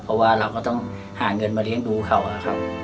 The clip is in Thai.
เพราะว่าเราก็ต้องหาเงินมาเลี้ยงดูเขานะครับ